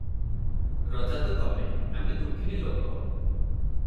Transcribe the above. ରଜା ତ ତମେ, ଆମେ ଦୁଃଖିନୀ ଲୋକ